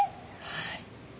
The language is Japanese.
はい。